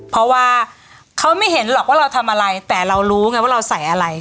เพราะว่าเขาไม่เห็นหรอกว่าเราทำอะไรแต่เรารู้ไงว่าเราใส่อะไร